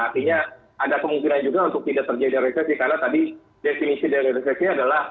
artinya ada kemungkinan juga untuk tidak terjadi resesi karena tadi definisi dari resesi adalah